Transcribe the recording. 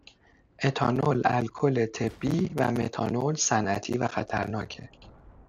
اتانول الکل طبی و متانول صنعتی و خطرناکه